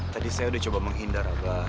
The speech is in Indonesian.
tadi saya sudah coba menghindar abah